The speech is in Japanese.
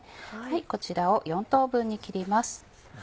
こちらを４等分に切ります。